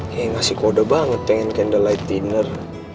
kayaknya ngasih kode banget pengen candlelight dinner